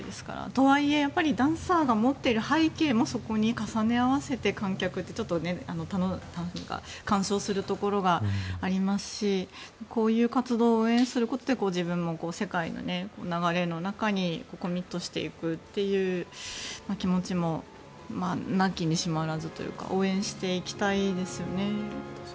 とはいえ、やはりダンサーが持っている背景もそこに重ね合わせて観客って楽しみというか鑑賞するところがありますしこういう活動を応援することで自分も世界の流れの中にコミットしていくという気持ちもなきにしもあらずというか応援していきたいですよね。